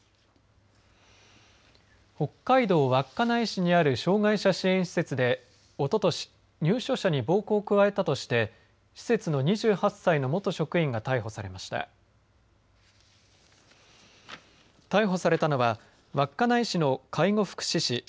北海道稚内市にある障害者支援施設でおととし入所者に暴行を加えたとして施設の２８歳の元職員が逮捕されました。